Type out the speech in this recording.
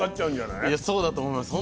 そうだと思います。